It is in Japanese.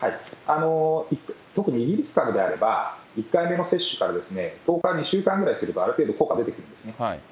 特にイギリス株であれば、１回目の接種から１０日から２週間ぐらいすればある程度、効果が出てくるんですね。